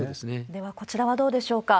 では、こちらはどうでしょうか。